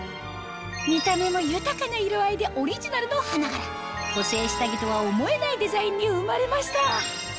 見た目も豊かな色合いでオリジナルの花柄補整下着とは思えないデザインに生まれました